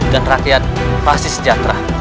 dan rakyat pasti sejahtera